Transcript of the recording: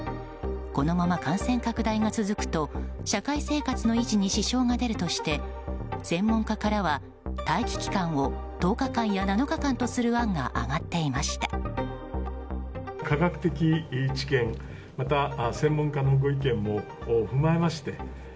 このまま感染拡大が続くと社会生活の維持に支障が出るとして専門家からは待機期間を１０日間や７日間とする案が上がっていました。